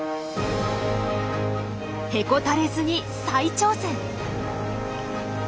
へこたれずに再挑戦。